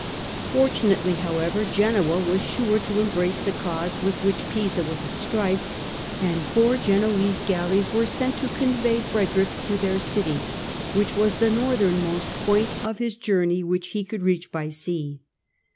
Fortunately, however, Genoa was sure to embrace the cause with which Pisa was at strife, and four Genoese galleys were sent to convey Frederick to their city, which was the northernmost point of his journey which he could reach by sea.